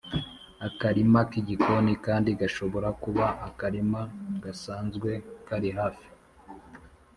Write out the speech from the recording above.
akarima k’igikoni kandi gashobora kuba akarima gasanzwe kari hafi